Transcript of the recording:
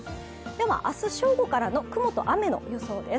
明日正午からの雲と雨の予想です。